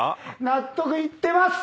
納得いってます。